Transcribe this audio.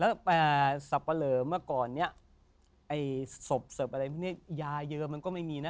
แล้วแต่สับปะเหลอเมื่อก่อนเนี่ยไอ้ศพเสิร์ฟอะไรพวกนี้ยาเยอะมันก็ไม่มีนะ